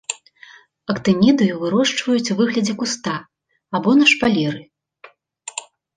Актынідыю вырошчваюць у выглядзе куста або на шпалеры.